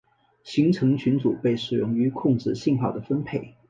行程群组被使用于控制信号的分配。